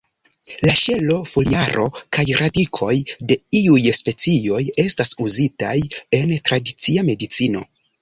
La ŝelo, foliaro kaj radikoj de iuj specioj estas uzitaj en tradicia medicino.